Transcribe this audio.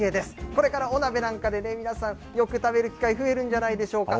これからお鍋なんかでね、皆さんよく食べる機会増えるんじゃないでしょうか。